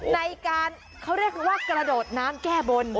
ในการเขาเรียกว่ากระโดดน้ำแก้บน